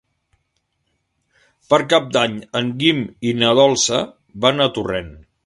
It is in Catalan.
Per Cap d'Any en Guim i na Dolça van a Torrent.